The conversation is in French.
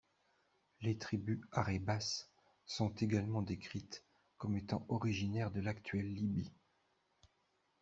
Les tribus Aurébas sont également décrites comme étant originaires de l'actuelle Libye.